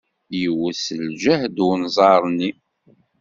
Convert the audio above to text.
Iwet s ljehd unẓar-nni.